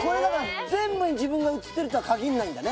全部に自分が写ってるとはかぎんないんだね